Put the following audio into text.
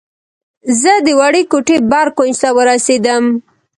زه د وړې کوټې بر کونج ته ورسېدم.